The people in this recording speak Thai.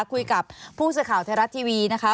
คุยกับผู้สื่อข่าวไทยรัฐทีวีนะคะ